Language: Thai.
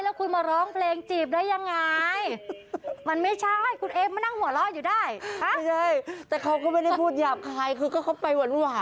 แล้วคุณมาร้องเพลงจีบได้ยังไง